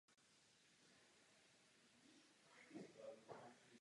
Dnes jde o záložní krizové pracoviště Hasičského záchranného sboru Vysočina.